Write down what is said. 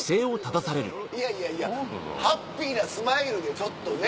いやいやハッピーなスマイルでちょっとね